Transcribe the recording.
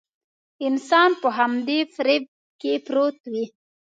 انسان په همدې فريب کې پروت وي.